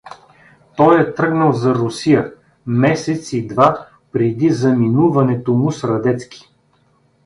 Той е тръгнал за Русия, месец и два преди заминуването му с „Радецки“.